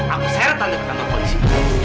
aku seretan ke kantor polisi